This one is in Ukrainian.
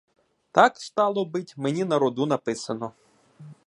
Так, стало бить, мені на роду написано!